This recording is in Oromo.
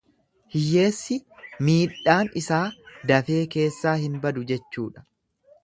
Hiyyeessi miidhaan isaa dafee keessaa hin badu jechuudha.